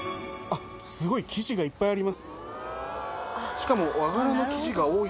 しかも。